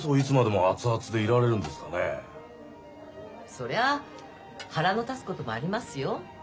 そりゃ腹の立つこともありますよ。